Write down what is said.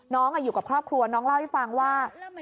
อยู่กับครอบครัวน้องเล่าให้ฟังว่า